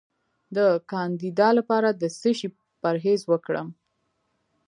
د کاندیدا لپاره د څه شي پرهیز وکړم؟